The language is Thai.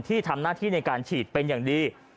ที่ทำหน้าที่ในการฉีดเป็นอย่างดี